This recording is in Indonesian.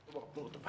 bokap tunggu tebak